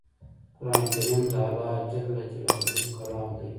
قران کریم د الله ج کلام دی